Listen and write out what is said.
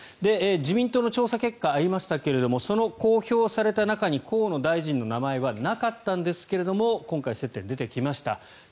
自民党の調査結果がありましたがその公表された中に河野大臣の名前はなかったんですけども今回、接点が出てきました。